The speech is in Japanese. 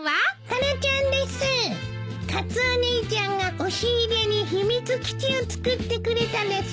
カツオお兄ちゃんが押し入れに秘密基地を作ってくれたです。